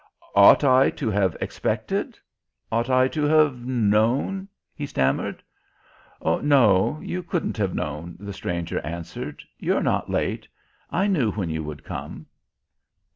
"Ought I to have expected? Ought I to have known " he stammered. "No, you couldn't have known," the Stranger answered. "You're not late. I knew when you would come."